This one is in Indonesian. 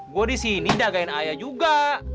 gua disini dagangin ayah juga